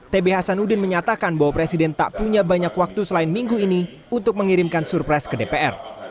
tb hasanuddin menyatakan bahwa presiden tak punya banyak waktu selain minggu ini untuk mengirimkan surpres ke dpr